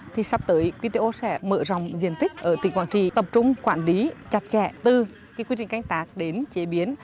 thì sắp tới wto sẽ mở rộng diện tích ở tỉnh quảng trị tập trung quản lý chặt chẽ từ quy trình canh tác đến chế biến